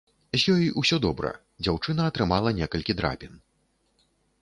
З ёй усё добра, дзяўчына атрымала некалькі драпін.